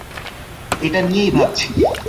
এটা নিয়েই ভাবছি।